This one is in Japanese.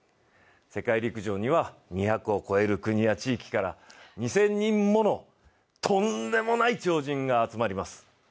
世界陸上には、２００を超える国や地域から２０００人ものとんでもない超人が集まります。